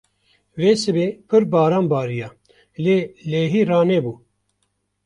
Vê sibê pir baran bariya lê lehî ranebû.